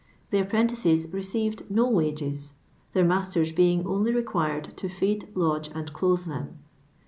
The appren tices received no wages, their masters being only required to feed, lodge, and clothe them.